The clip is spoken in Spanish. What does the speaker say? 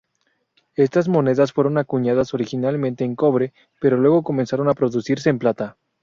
Estas monedas fueron acuñadas originalmente en cobre, pero luego comenzaron a producirse en plata.